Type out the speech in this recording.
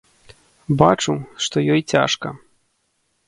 Бачу, што ёй цяжка.